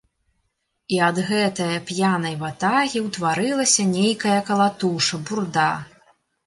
І ад гэтае п'янай ватагі ўтварылася нейкая калатуша, бурда.